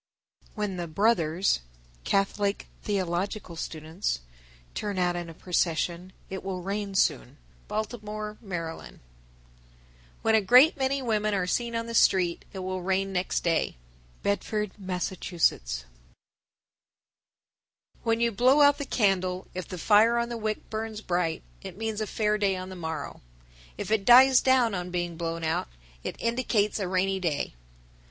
_ 1004. When the Brothers (Catholic theological students) turn out in a procession it will rain soon. Baltimore, Md. 1005. When a great many women are seen on the street, it will rain next day. Bedford, Mass. 1006. When you blow out the candle, if the fire on the wick burns bright, it means a fair day on the morrow; if it dies down on being blown out, it indicates a rainy day.